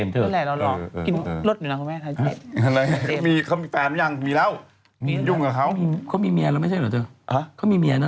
ตรงนี้คุณแม่ก็เอาทนายเจมส์ไปด้วยนั่งด้วยนะ